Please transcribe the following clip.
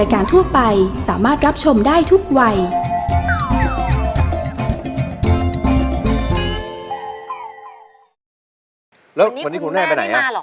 แล้ววันนี้คุณแม่จะมาเหรอ